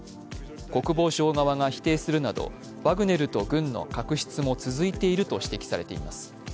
国防省側が否定するなど、ワグネルと軍の確執も続いていると指摘されています。